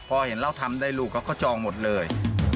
พอเห็นเราทำได้ลูกเขาก็จองหมดเลย